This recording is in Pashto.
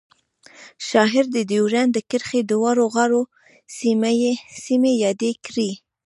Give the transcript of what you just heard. شاعر د ډیورنډ د کرښې دواړو غاړو سیمې یادې کړې